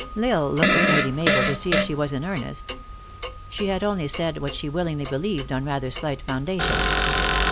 L Isle looked at Lady Mabel to see if she was in earnest. She had only said what" she willingly be lieved on rather slight foundations.